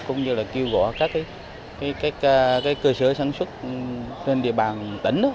cũng như là kêu gọi các cơ sở sản xuất trên địa bàn tỉnh